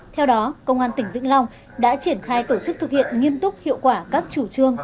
theo đó công an tỉnh vĩnh long đã triển khai tổ chức thực hiện nghiêm túc hiệu quả các chủ trương